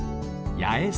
八重洲。